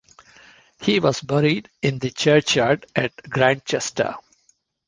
He was buried in the churchyard at Grantchester.